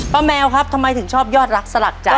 แมวครับทำไมถึงชอบยอดรักสลักใจ